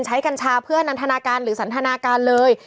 กัญชาเพื่อนันทนาการหรือสันทนาการเลย